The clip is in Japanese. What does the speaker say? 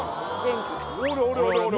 あれあれあれあれ